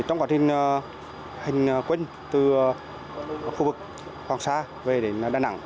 trong quá trình hình quên từ khu vực hoàng sa về đến đà nẵng